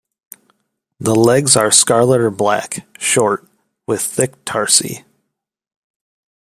The legs are scarlet or black, short, with thick tarsi.